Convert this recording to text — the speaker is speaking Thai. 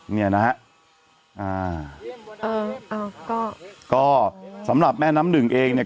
เนี่ยนะฮะอ่าเออเอาก็ก็สำหรับแม่น้ำหนึ่งเองเนี่ย